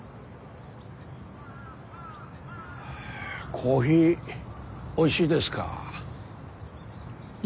コーヒーおいしいですか？